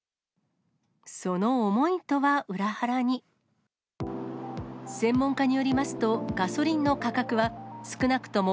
その思いとは裏腹に。